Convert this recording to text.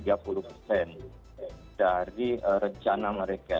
jadi rencana mereka